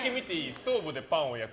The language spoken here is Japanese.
ストーブでパンを焼く。